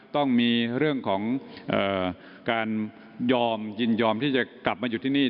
ต้องมีเรื่องของการยอมยินยอมที่จะกลับมาอยู่ที่นี่